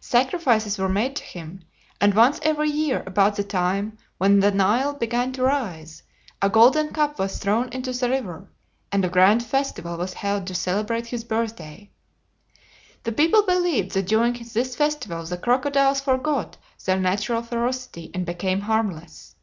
Sacrifices were made to him, and once every year, about the time when the Nile began to rise, a golden cup was thrown into the river, and a grand festival was held to celebrate his birthday. The people believed that during this festival the crocodiles forgot their natural ferocity and became harmless.